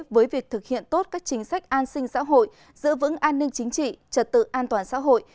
với việc thực hiện tốt các chính sách an sinh xã hội giữ vững an ninh chính trị trật tự an toàn xã hội